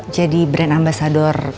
jadi brand ambasador